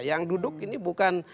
yang duduk ini bukan